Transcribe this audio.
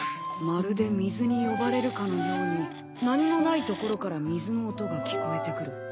「まるで水に呼ばれるかのように何もないところから水の音が聞こえてくる」